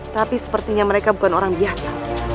tapi sepertinya mereka bukan orang biasa